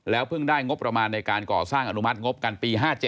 เพิ่งได้งบประมาณในการก่อสร้างอนุมัติงบกันปี๕๗